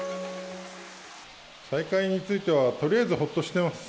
再開については、とりあえず、ほっとしてます。